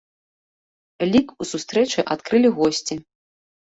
Лік у сустрэчы адкрылі госці.